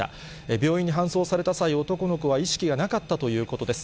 病院に搬送された際、男の子は意識がなかったということです。